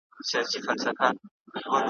لار یې ورکه کړه په ځان پوري حیران سو ,